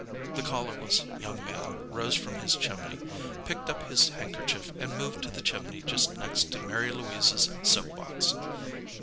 '" The collarless young man rose from his chimney, picked up his handkerchief, and moved to the chimney just next to Mary Louise's soap box.